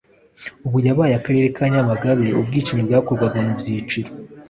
ubu yabaye Akarere ka Nyamagabe ubwicanyi bwakorwaga mu byiciro